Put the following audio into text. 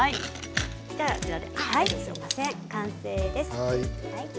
完成です。